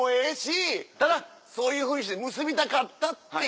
ただそういうふうにして結びたかったっていう方が今日。